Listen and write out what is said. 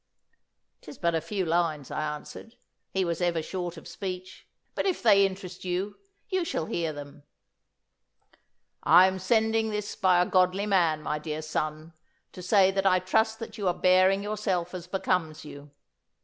''Tis but a few lines,' I answered. 'He was ever short of speech. But if they interest you, you shall hear them. "I am sending this by a godly man, my dear son, to say that I trust that you are bearing yourself as becomes you.